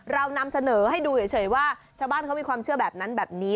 เรานำเสนอให้ดูเฉยว่าชาวบ้านเขามีความเชื่อแบบนั้นแบบนี้